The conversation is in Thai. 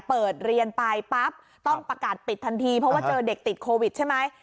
เปิดเรียนไปปั๊บต้องประกาศปิดทันทีเพราะว่าเจอเด็กติดโควิดใช่ไหม